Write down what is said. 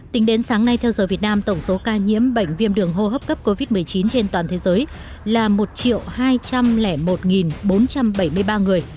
tính đến sáng nay theo giờ việt nam tổng số ca nhiễm bệnh viêm đường hô hấp cấp covid một mươi chín trên toàn thế giới là một hai trăm linh một bốn trăm bảy mươi ba người